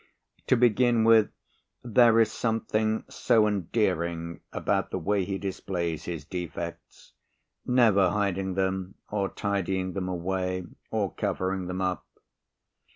To begin with, there is something so endearing about the way he displays his defects, never hiding them or tidying them away or covering them up.